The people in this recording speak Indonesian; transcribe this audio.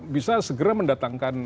bisa segera mendatangkan